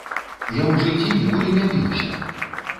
Я ў жыцці ніколі не біўся!